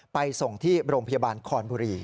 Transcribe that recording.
ไปส่งที่โรงพยาบาลคอนบุรี